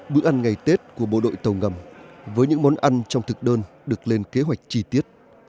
bữa ăn ngày tết của bộ đội tàu ngầm với những món ăn trong thực đơn được lên kế hoạch chi tiết